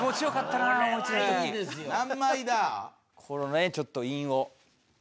このねちょっと韻を。